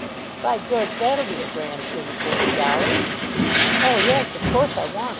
"By George, that'll be a grand thing for you, Dolly." "Oh yes. Of course I want it.